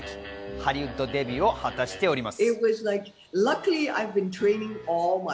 ハリウッドデビューを果たしております。